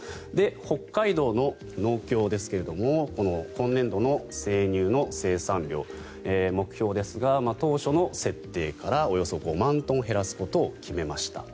北海道の農協ですが今年度の生乳の生産量目標ですが当初の設定からおよそ５万トン減らすことを決めました。